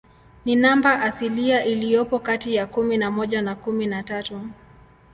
Ni namba asilia iliyopo kati ya kumi na moja na kumi na tatu.